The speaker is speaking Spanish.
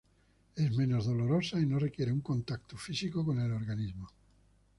Es menos dolorosa y no requiere un contacto físico con el organismo.